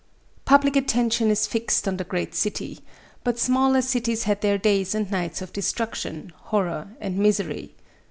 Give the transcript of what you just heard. Public attention is fixed on the great city; but smaller cities had their days and nights of destruction, horror and misery.